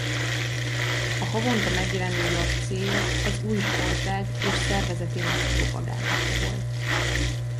A havonta megjelenő lap célja az új sportág és szervezetének propagálása volt.